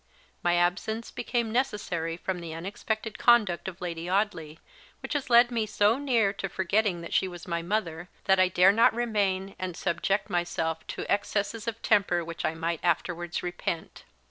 My absence became necessary from the unexpected conduct of Lady Audley, which has led me so near to forgetting that she was my mother, that I dare not remain, and subject myself to excesses of temper which I might afterwards repent.